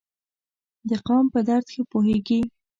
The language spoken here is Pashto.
د قام په درد ښه پوهیږي.